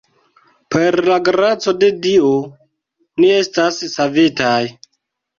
Per la graco de Dio, ni estas savitaj.